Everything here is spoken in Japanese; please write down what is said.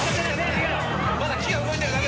まだ木が動いてるだけ。